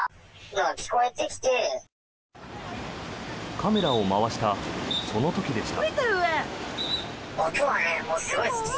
カメラを回したその時でした。